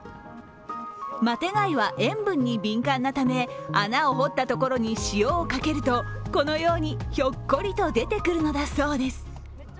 マテガイは塩分に敏感なため穴を掘ったところに塩をかけると、このようにひょっこりと出てくるのだそうです。